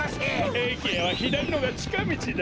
えきへはひだりのがちかみちだ！